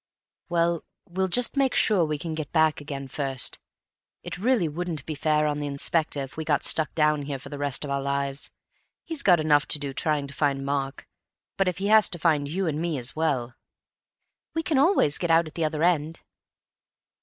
"Well, we'll just make sure we can get back again, first. It really wouldn't be fair on the Inspector if we got stuck down here for the rest of our lives. He's got enough to do trying to find Mark, but if he has to find you and me as well—" "We can always get out at the other end."